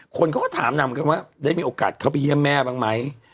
คนเขาก็ถามนางเหมือนกันว่าได้มีโอกาสเข้าไปเยี่ยมแม่บ้างไหม